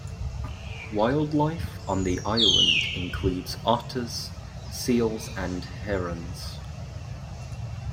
Wildlife on the island includes otters, seals and herons.